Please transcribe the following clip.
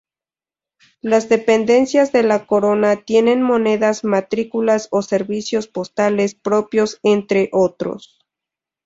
Las dependencias de la Corona tienen monedas, matrículas o servicios postales propios, entre otros.